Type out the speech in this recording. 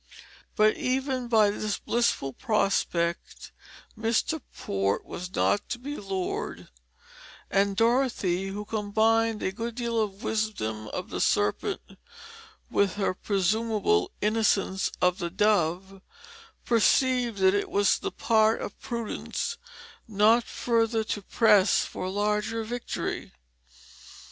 But even by this blissful prospect Mr. Port was not to be lured; and Dorothy, who combined a good deal of the wisdom of the serpent with her presumable innocence of the dove, perceived that it was the part of prudence not further to press for larger victory.